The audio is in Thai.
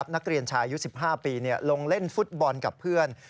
นักเรียนชายุ๑๕ปีลงเล่นฟุตบอลกับเพื่อน